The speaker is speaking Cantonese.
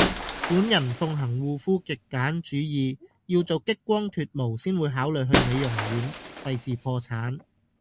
本人奉行護膚極簡主義，要做激光脫毛先會考慮去美容院，廢事破產